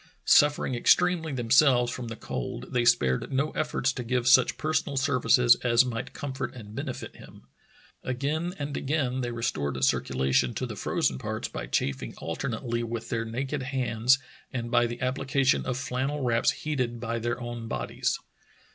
Suffering extremely themselves from the cold, they spared no efforts to give such personal services as might comfort and benefit him. Again and again they restored circulation to the frozen parts by chafing alternately with their naked hands and by the application of flannel wraps heated by their own bodies.